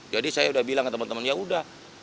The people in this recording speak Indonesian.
jadi saya udah bilang ke teman teman ya udah